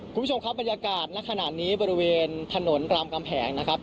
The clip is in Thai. คุณผู้ชมครับบรรยากาศณขณะนี้บริเวณถนนรามกำแหงนะครับ